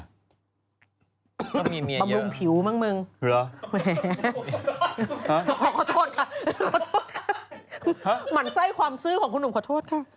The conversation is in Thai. ก็มีเมียเยอะฮะขอโทษค่ะขอโทษค่ะหมั่นไส้ความซื้อของคุณหนุ่มขอโทษค่ะ